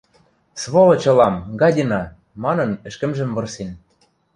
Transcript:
«Сволочь ылам, гадина!» — манын, ӹшкӹмжӹм вырсен.